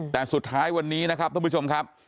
แต่สุดท้ายวันนี้นะครับท่านผู้ชมครับ